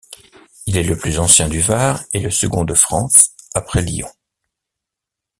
Il est le plus ancien du Var et le second de France après Lyon.